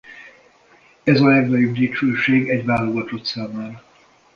Ez a legnagyobb dicsőség egy válogatott számára.